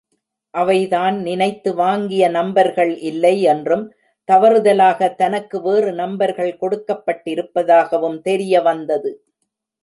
அவை தான் நினைத்து வாங்கிய நம்பர்கள் இல்லை என்றும், தவறுதலாக தனக்கு வேறு நம்பர்கள் கொடுக்கப்பட்டிருப்பதாகவும், தெரிய வந்தது.